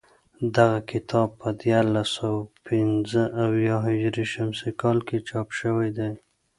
دغه کتاب په دیارلس سوه پنځه اویا هجري شمسي کال کې چاپ شوی دی